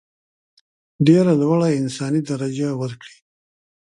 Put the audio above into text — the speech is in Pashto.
ډېره لوړه انساني درجه ورکړي.